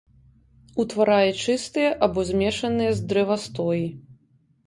Утварае чыстыя або змешаныя з дрэвастоі.